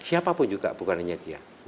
siapapun juga bukan hanya dia